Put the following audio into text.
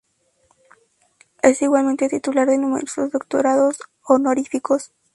Es igualmente titular de numerosos doctorados honoríficos.